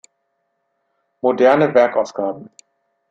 Moderne Werkausgaben